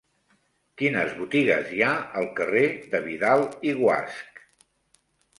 Quines botigues hi ha al carrer de Vidal i Guasch?